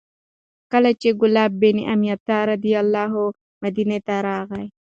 کله چې کلاب بن امیة رضي الله عنه مدینې ته راغی،